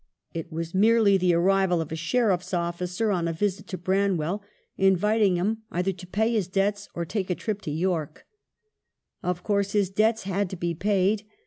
It was merely the / TROUBLES. iqj arri\\ . of a sheriff's officer on a visit to Bran well, invit. \g him either to pay his debts or take a trip to York. Of course his debts had to be paid.